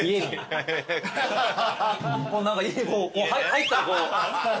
入ったらこう。